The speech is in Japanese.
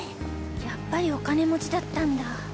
やっぱりお金持ちだったんだ。